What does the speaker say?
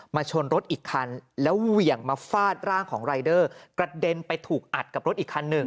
ชนรถอีกคันแล้วเหวี่ยงมาฟาดร่างของรายเดอร์กระเด็นไปถูกอัดกับรถอีกคันหนึ่ง